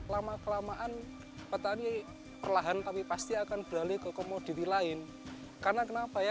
lama kelamaan petani perlahan tapi pasti akan berbalik ke komoditi lainnya